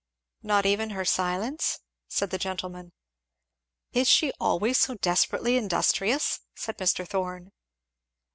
"Not even her silence?" said the gentleman. "Is she always so desperately industrious?" said Mr. Thorn.